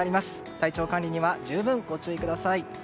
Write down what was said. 体調管理には十分ご注意ください。